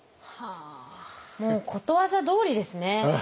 もうことわざどおりですね。